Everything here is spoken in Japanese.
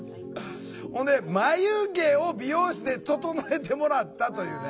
ほんで「眉毛を美容室で整えてもらった」というね。